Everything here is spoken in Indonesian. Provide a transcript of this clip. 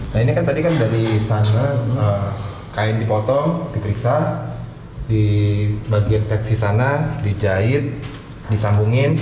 nah ini kan tadi kan dari sana kain dipotong diperiksa di bagian seksi sana dijahit disambungin